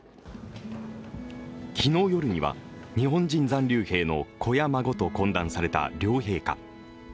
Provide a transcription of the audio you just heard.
昨日夜には、日本人残留兵の子や孫と懇談された両陛下。